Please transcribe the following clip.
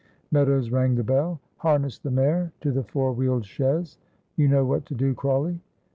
Meadows rang the bell. "Harness the mare to the four wheeled chaise. You know what to do, Crawley."